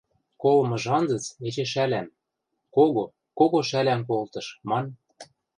Колымыжы анзыц эче шӓлӓм... кого, кого шӓлӓм колтыш, ман...